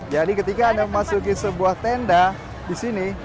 jadi ketika anda memasuki sebuah tenda disini